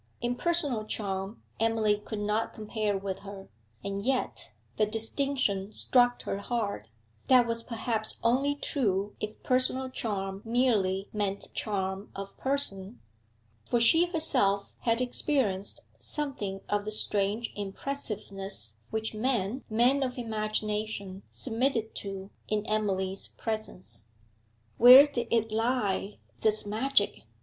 In personal charm Emily could not compare with her; and yet the distinction struck her hard that was perhaps only true if personal charm merely meant charm of person, for she herself had experienced something of the strange impressiveness which men men of imagination submitted to in Emily's presence. Where did it lie, this magic?